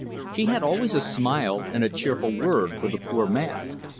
She had always a smile and a cheerful word for the poor man.